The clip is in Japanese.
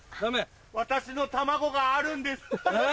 私の卵があるんです。